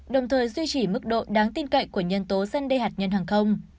đồng thời duy trì mức độ đáng tin cậy của nhân tố zenday hạt nhân hàng không